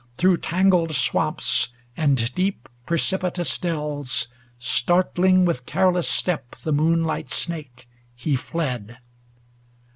Through tangled swamps and deep preci pitous dells, Startling with careless step the moon light snake, He fled.